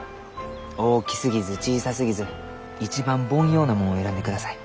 大きすぎず小さすぎず一番凡庸なもんを選んでください。